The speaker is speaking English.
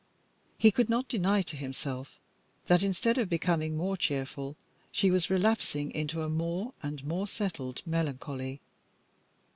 He could not deny to himself that, instead of becoming more cheerful, she was relapsing into a more and more settled melancholy.